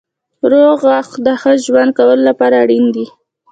روغ غاښونه د ښه ژوند کولو لپاره اړین دي.